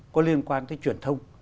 có liên quan tới truyền thông